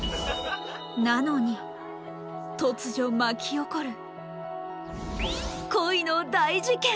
なのに突如巻き起こる恋の大事件！